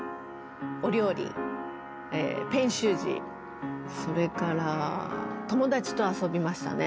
ペン習字それから友達と遊びましたね。